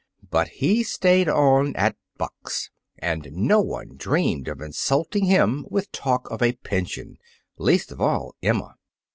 But he stayed on at Buck's, and no one dreamed of insulting him with talk of a pension, least of all Emma.